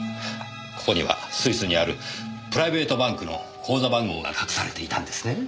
ここにはスイスにあるプライベートバンクの口座番号が隠されていたんですね。